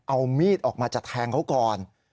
เอามีดออกมาจะแทงเขาก่อน